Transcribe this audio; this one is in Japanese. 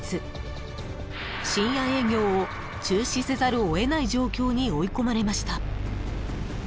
［深夜営業を中止せざるを得ない状況に追い込まれました］